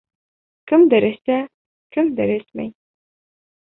Кемдер эсә, кемдер эсмәй.